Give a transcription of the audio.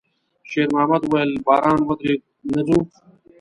شېرمحمد وويل: «باران ودرېد، نه ځو؟»